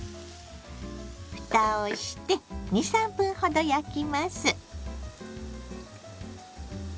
ふたをして２３分ほど焼きます。